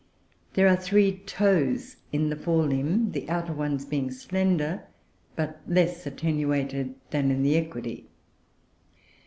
There are three toes in the fore limb, the outer ones being slender, but less attenuated than in the Equidoe.